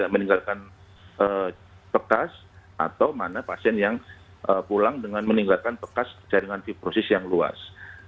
meninggalkan bekas atau mana pasien yang pulang dengan meninggalkan bekas jaringan fiprosis yang luas